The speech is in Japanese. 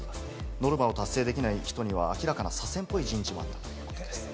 ノルマが達成できない人には明らかな左遷人事もあったということです。